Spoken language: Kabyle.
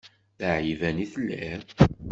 D aɛiban i telliḍ?